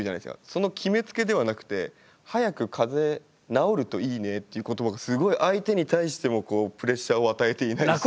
その決めつけではなくて「早く風邪治るといいね」っていう言葉がすごい相手に対してもプレッシャーを与えていないし。